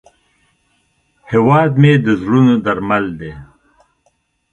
هیواد مې د زړونو درمل دی